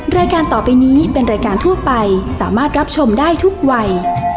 รายการต่อไปนี้เป็นรายการทั่วไปสามารถรับชมได้ทุกวัย